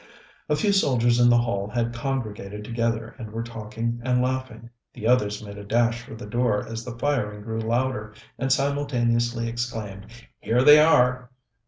A few soldiers in the hall had congregated together, and were talking and laughing. The others made a dash for the door as the firing grew louder, and simultaneously exclaimed: "Here they are!"